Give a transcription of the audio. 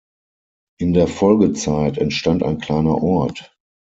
In der Folgezeit entstand ein kleiner Ort.